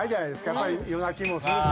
やっぱり夜泣きもするし。